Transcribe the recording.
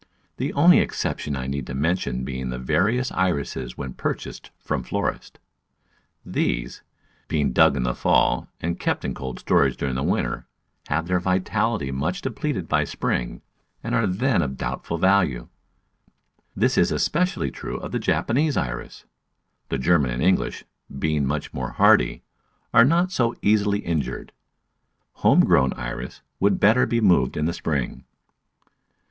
The only exception I need to mention being the various Irises when purchased from florists. These, being dug in the fall, and kept in cold storage during winter, have their vitality much depleted by spring, and are then of doubtful value. This is es pecially true of the Japanese Iris; the German and English, being much more hardy, are not so easily injured. Home grown Iris would better be moved in the spring.